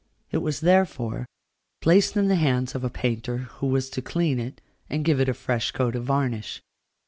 It was, therefore, placed in the hands of a painter, who was to clean it, and give it a fresh coat of varnish.